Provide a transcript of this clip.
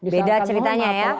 beda ceritanya ya